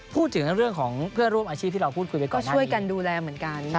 พูดถึงเรื่องของเพื่อนร่วมอาชีพที่เราพูดคุยไปก็ช่วยกันดูแลเหมือนกัน